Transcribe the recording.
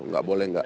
enggak boleh enggak